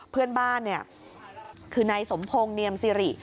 เพื่อนบ้านคือในสมพงศ์เนียมสิริ